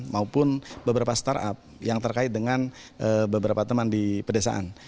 maupun beberapa startup yang terkait dengan beberapa teman di pedesaan